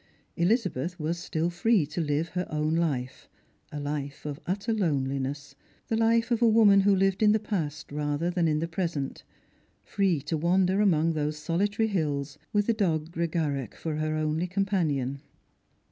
Elizabeth was still free to hve her own Hfe, a life of utter loneliness, the hfe of a woman who Uved in the past rather than in the j^resent ; free to wander among those sohtary hills, with the dog Gregarach for her only companion.